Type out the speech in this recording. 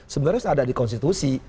sebenarnya ada di konstitusi